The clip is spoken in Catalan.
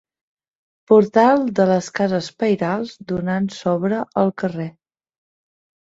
Portal de les cases pairals donant sobre el carrer.